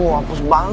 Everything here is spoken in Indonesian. wapus banget gue nih